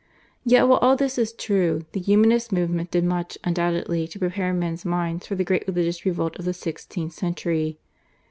Yet, while all this is true, the Humanist movement did much, undoubtedly, to prepare men's minds for the great religious revolt of the sixteenth century.